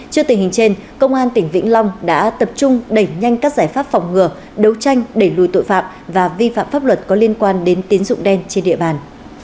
trước tình hình trên công an tỉnh vĩnh long đã tập trung đẩy nhanh các giải pháp phòng ngừa đấu tranh đẩy lùi tội phạm và vi phạm pháp luật có liên quan đến tín dụng đen trên địa bàn